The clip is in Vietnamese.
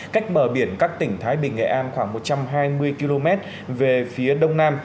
cách bờ biển các tỉnh thái bình nghệ an khoảng một trăm hai mươi km về phía đông nam